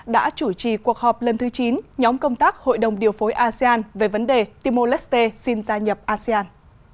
đã chủ trì cuộc họp lần thứ chín nhóm công tác hội đồng điều phối asean về vấn đề timor leste xin gia nhập asean